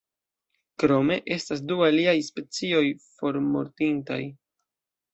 Krome estas du aliaj specioj formortintaj.